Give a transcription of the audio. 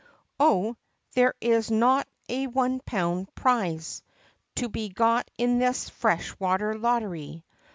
Oh! there is not a one pound prize To be got in this fresh water lottery!